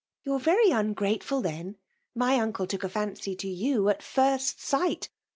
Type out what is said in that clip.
" You are very ungrateful^ then* My imtle took a fancy to you at first sight.